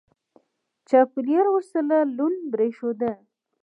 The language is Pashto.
چاپېریال ورسره لوند برېښېده.